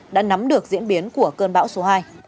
đã nắm được diễn biến của cơn bão số hai